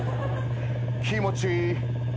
気持ちいい。